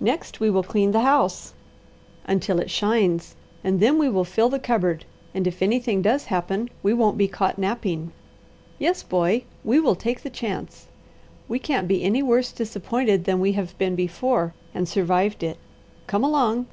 Next, we will clean the house until it shines, and then we will fill the cupboard, and if anything does happen we won't be caught napping. Yes, boy, we will take the chance! We can't be any worse disappointed than we have been before and survived it. Come along!"